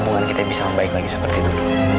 pabungan kita bisa membaik lagi sepertidur